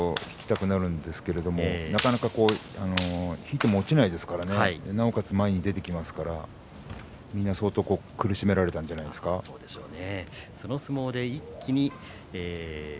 引きたくなるんですけどもなかなか引いても落ちないですからなおかつ、前に出てきますからみんな苦しめられたんじゃないでしょうか。